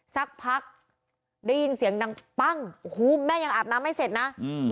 สักพักได้ยินเสียงดังปั้งโอ้โหแม่ยังอาบน้ำไม่เสร็จนะอืม